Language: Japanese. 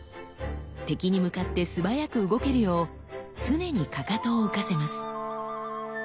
敵に向かって素早く動けるよう常にかかとを浮かせます。